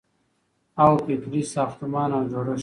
او فکري ساختمان او جوړښت